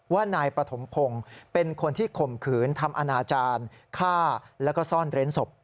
ว่านายปฐมพงศ์เป็นคนที่ข่มขืนทำอนาจารย์ฆ่าแล้วก็ซ่อนเร้นศพ